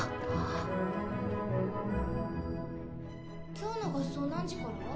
今日の合奏何時から？